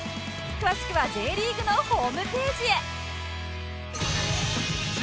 詳しくは Ｊ リーグのホームページへ！